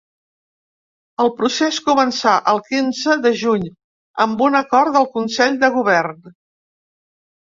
El procés començà el quinze de juny, amb un acord del consell de govern.